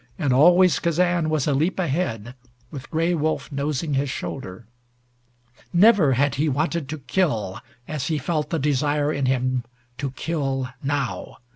And always Kazan was a leap ahead, with Gray Wolf nosing his shoulder. Never had he wanted to kill as he felt the desire in him to kill now.